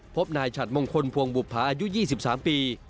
พบนายฉัดมงคลพวงบุภาอายุ๒๓ปี